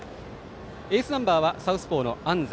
エースナンバーはサウスポーの安齋。